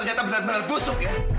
ternyata benar benar busuk ya